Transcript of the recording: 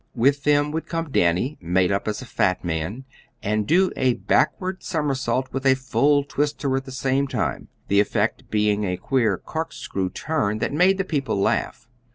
With them would come Danny, made up as a fat man, and do a backward somersault and a full twister at the same time, the effect being a queer corkscrew turn that made the people laugh.